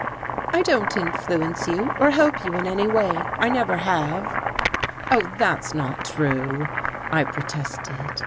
"I don't influence you, or help you in any way. I never have." "Oh, that's not true," I protested.